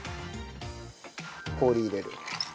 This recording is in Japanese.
氷入れる。